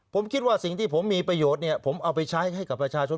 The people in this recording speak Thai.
ผมคิดว่าสิ่งที่ผมมีประโยชน์เนี่ยผมเอาไปใช้ให้กับประชาชน